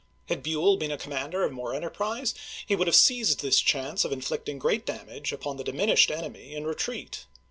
Had Buell been a commander of more enterprise, he would have seized this chance of inflicting great damage upon the diminished enemy in retreat.